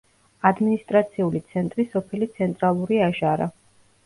ადმინისტრაციული ცენტრი სოფელი ცენტრალური აჟარა.